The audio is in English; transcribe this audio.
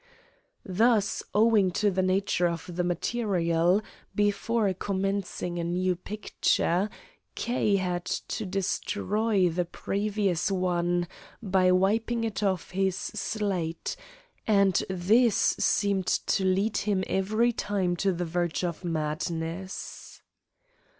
Thus, owing to the nature of the material, before commencing a new picture, K. had to destroy the previous one by wiping it off his slate, and this seemed to lead him every time to the verge of madness.